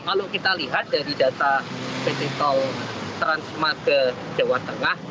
kalau kita lihat dari data pt tol transmar ke jawa tengah